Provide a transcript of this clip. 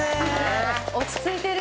落ち着いてる。